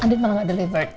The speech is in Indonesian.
andin malah gak delivered